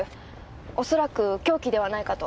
おそらく凶器ではないかと。